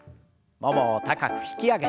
ももを高く引き上げて。